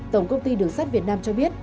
tổng công ty đường sắt việt nam cho biết